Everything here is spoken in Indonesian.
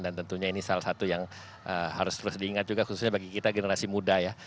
dan tentunya ini salah satu yang harus terus diingat juga khususnya bagi kita generasi muda ya